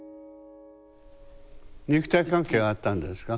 肉体関係はあったんですか？